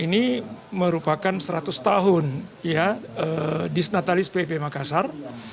ini merupakan seratus tahun ya desnatalis pip makassar